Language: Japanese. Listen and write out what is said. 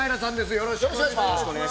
◆よろしくお願いします。